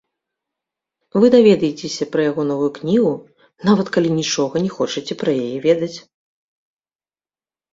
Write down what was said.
Вы даведаецеся пра яго новую кнігу, нават калі нічога не хочаце пра яе ведаць.